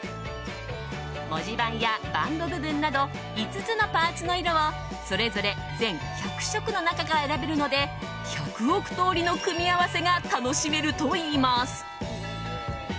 文字盤やバンド部分など５つのパーツの色をそれぞれ全１００色の中から選べるので１００億通りの組み合わせが楽しめるといいます。